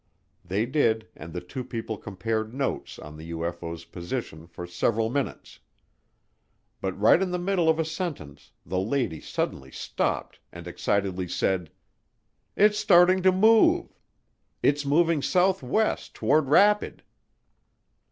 They did, and the two people compared notes on the UFO's position for several minutes. But right in the middle of a sentence the lady suddenly stopped and excitedly said, "It's starting to move it's moving southwest toward Rapid."